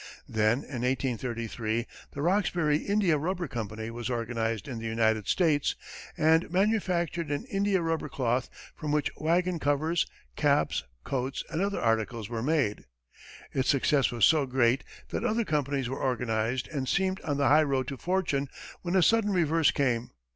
Then, in 1833, the Roxbury India Rubber Company was organized in the United States, and manufactured an India rubber cloth from which wagon covers, caps, coats, and other articles were made. Its success was so great that other companies were organized and seemed on the highroad to fortune, when a sudden reverse came.